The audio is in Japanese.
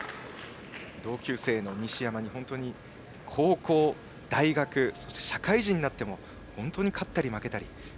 同級生の西山に高校、大学そして社会人になっても勝ったり負けたり。